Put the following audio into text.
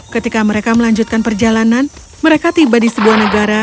ketika mereka melanjutkan perjalanan mereka tiba di sebuah negara